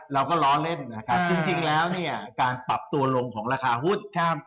เราก็ล้อเล่นจริงแล้วการปรับตัวลงของราคาหุ้น